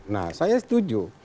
nah saya setuju